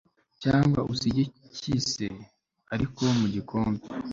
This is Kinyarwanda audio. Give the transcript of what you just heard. cyangwa usige kisse ariko mugikombe